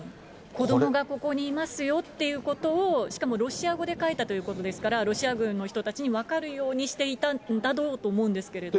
子どもがここにいますよっていうことを、しかもロシア語で書いたということですから、ロシア軍の人たちに分かるようにしていたんだろうと思うんですけ